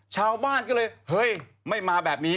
ชาวบ้านก็เลยเฮ้ยไม่มาแบบนี้